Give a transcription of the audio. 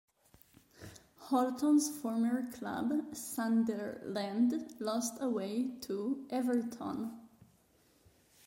Holton's former club, Sunderland, lost away to Everton.